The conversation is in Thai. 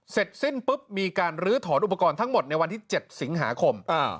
เสร็จสิ้นปุ๊บมีการลื้อถอนอุปกรณ์ทั้งหมดในวันที่๗สิงหาคม